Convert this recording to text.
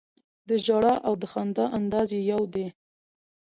د ژړا او د خندا انداز یې یو دی.